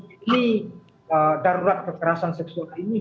ini darurat kekerasan seksual ini